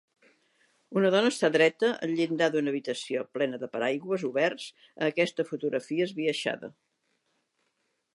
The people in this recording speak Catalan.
Una dona està dreta al llindar d'una habitació plena de paraigües oberts a aquesta fotografia esbiaixada.